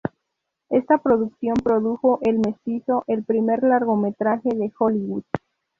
Esta productora produjo,"El Mestizo", el primer largometraje de Hollywood.